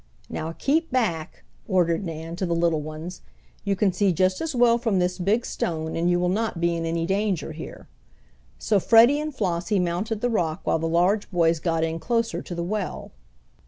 "Now keep back," ordered Nan to the little ones. "You can see just as well from this big stone, and you will not be in any danger here." So Freddie and Flossie mounted the rock while the large boys got in closer to the well.